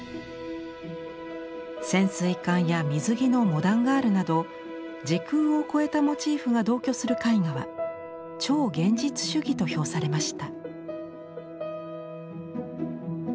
潜水艦や水着のモダンガールなど時空を超えたモチーフが同居する絵画は「超現実主義」と評されました。